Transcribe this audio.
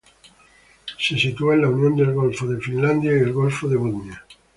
Se sitúa en la unión del golfo de Finlandia y el golfo de Botnia.